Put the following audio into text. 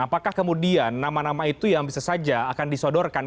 apakah kemudian nama nama itu yang bisa saja akan disodorkan